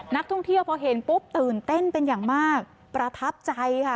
นักท่องเที่ยวพอเห็นปุ๊บตื่นเต้นเป็นอย่างมากประทับใจค่ะ